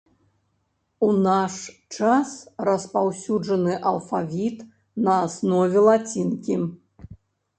У наш час распаўсюджаны алфавіт на аснове лацінкі.